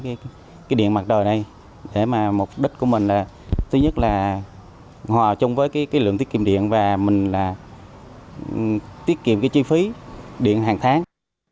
cái điện mặt đời này để mà mục đích của mình là thứ nhất là hòa chung với cái lượng tiết kiệm điện và mình là tiết kiệm cái chi phí điện hàng tháng